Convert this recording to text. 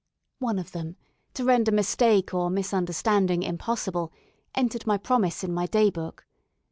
One of them, to render mistake or misunderstanding impossible, entered my promise in my day book.